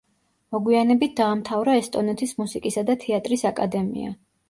მოგვიანებით დაამთავრა ესტონეთის მუსიკისა და თეატრის აკადემია.